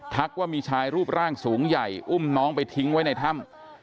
ว่ามีชายรูปร่างสูงใหญ่อุ้มน้องไปทิ้งไว้ในถ้ำ